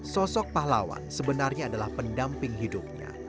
sosok pahlawan sebenarnya adalah pendamping hidupnya